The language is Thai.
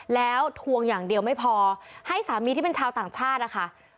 แล้วทวงอย่างเดียวไม่พอให้สามีที่เป็นชาวต่างชาตินะคะ